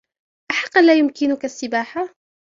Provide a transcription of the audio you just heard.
أحقاً لا يمكنك السباحة ؟